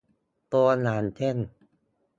ตัวอย่างเช่น